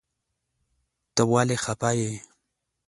ته ولی خپه یی ؟